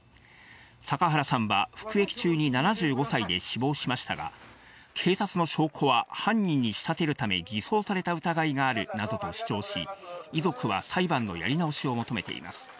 阪原さんは服役中に７５歳で死亡しましたが、警察の証拠は犯人に仕立てるため偽装された疑いがあるなどと主張し、遺族は裁判のやり直しを求めています。